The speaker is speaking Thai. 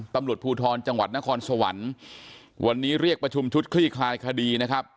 ตำรวจภูทรจังหวัดนครสวรรค์วันนี้เรียกประชุมชุดคลี่คลายคดีนะครับ